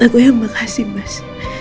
aku yang makasih mas